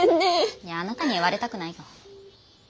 いやあなたに言われたくない。